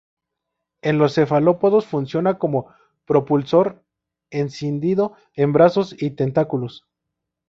En los cefalópodos funciona como propulsor, escindido en brazos y tentáculos.